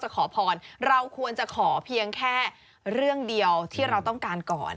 ขอพรเราควรจะขอเพียงแค่เรื่องเดียวที่เราต้องการก่อน